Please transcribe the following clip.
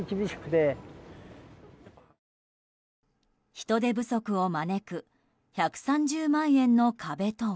人手不足を招く１３０万円の壁とは？